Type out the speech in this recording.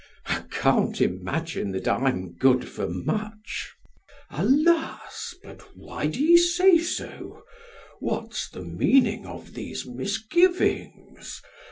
S. S. I can't imagine that I'm good for much. DEM. Alas! But why do ye say so? What's the meaning Of these misgivings?